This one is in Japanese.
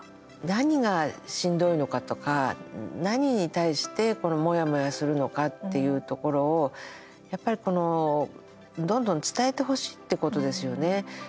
何がしんどいのかとか何に対して、このモヤモヤするのかっていうところをやっぱり、どんどん伝えてほしいってことですよね。